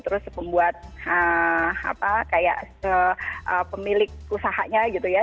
terus pembuat apa kayak pemilik usahanya gitu ya